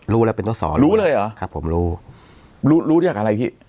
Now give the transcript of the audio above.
รู้แล้วเป็นต้นสอนรู้เลยเหรอครับผมรู้รู้เรื่องอะไรพี่